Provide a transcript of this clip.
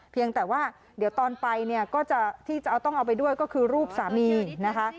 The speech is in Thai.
เพียงแต่ว่าเดี๋ยวตอนไปเนี่ยก็จะที่จะต้องเอาไปด้วยก็คือรูปสามีนะคะ